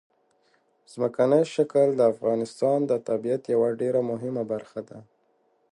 ځمکنی شکل د افغانستان د طبیعت یوه ډېره مهمه برخه ده.